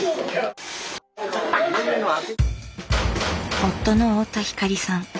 夫の太田光さん。